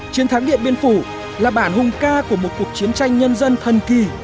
chiến thắng điện biên phủ là bản hùng ca của một cuộc chiến tranh nhân dân thần kỳ